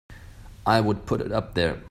I would put it up there!